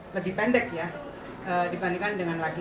lebih pendek ya dibandingkan dengan lagi